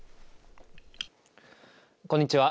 こんにちは。